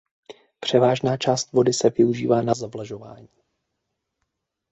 Převážná část vody se využívá na zavlažování.